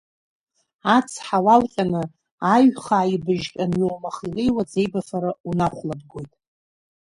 Ацҳа уалҟьаны аиҩхаа ибыжьҟьаны иоумаха илеиуа аӡеибафара унахәлабгоит.